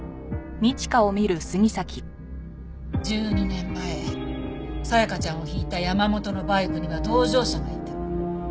１２年前紗弥香ちゃんをひいた山本のバイクには同乗者がいた。